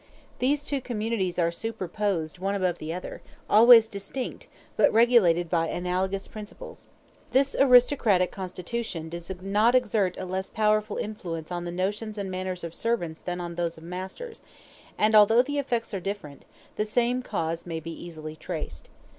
These two communities are superposed one above the other, always distinct, but regulated by analogous principles. This aristocratic constitution does not exert a less powerful influence on the notions and manners of servants than on those of masters; and, although the effects are different, the same cause may easily be traced.